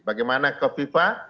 bagaimana ke fifa